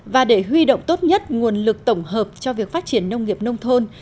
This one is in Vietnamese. và để huy động tốt nhất nguồn lực tổng hợp cho việc phát triển nông nghiệp nông thôn